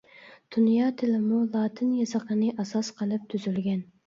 دۇنيا تىلىمۇ لاتىن يېزىقىنى ئاساس قىلىپ تۈزۈلگەن.